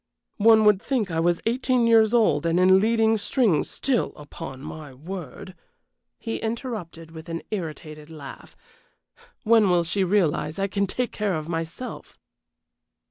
"One would think I was eighteen years old and in leading strings still, upon my word," he interrupted, with an irritated laugh. "When will she realize I can take care of myself?"